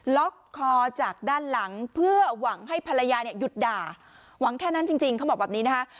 ล็อกคอจากด้านหลังเพื่อหวังให้ภรรยาเนี่ยหยุดด่าหวังแค่นั้นจริงเขาบอกแบบนี้นะคะ